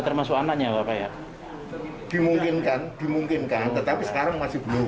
termasuk anaknya bapak ya dimungkinkan dimungkinkan tetapi sekarang masih belum